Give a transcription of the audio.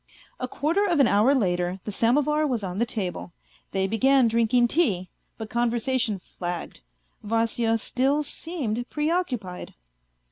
A quarter of an hour later the samovar was on the table. They began drinking tea, but conversation flagged. Vasya still seemed preoccupied.